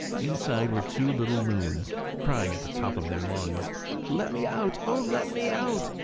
Inside were two little loons, crying at the top of their lungs, "Let me out! O let me out!